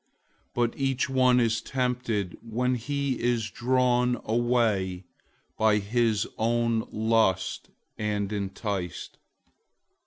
001:014 But each one is tempted, when he is drawn away by his own lust, and enticed.